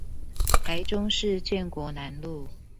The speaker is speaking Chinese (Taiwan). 台中市建國南路